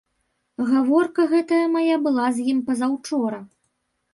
Гаворка гэтая мая была з ім пазаўчора.